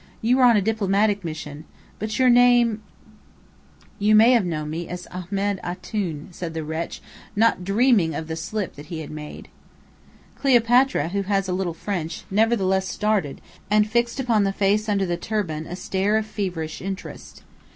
You were on a diplomatic mission. But your name " "You may have known me as Ahmed Antoun," said the wretch, not dreaming of that slip he had made. Cleopatra, who has little French, nevertheless started, and fixed upon the face under the turban a stare of feverish interest.